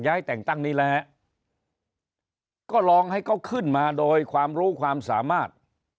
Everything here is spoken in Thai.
แต่งตั้งนี่แหละฮะก็ลองให้เขาขึ้นมาโดยความรู้ความสามารถ